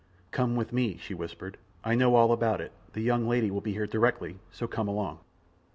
"Come with me," she whispered; "I know all about it. The young lady will be here directly, so come along."